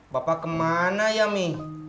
bapak kemana ya mi